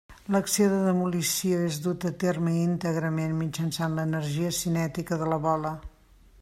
L'acció de demolició és duta a terme íntegrament mitjançant l'energia cinètica de la bola.